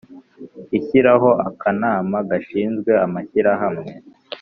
ishyiraho akanama gashinzwe amashyirahamwe.